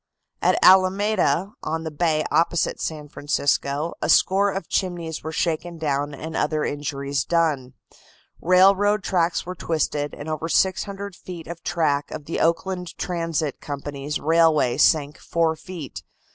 At Alameda, on the bay opposite San Francisco, a score of chimneys were shaken down and other injuries done. Railroad tracks were twisted, and over 600 feet of track of the Oakland Transit Company's railway sank four feet.